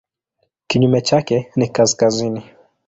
Kinyume chake ni kaskazini.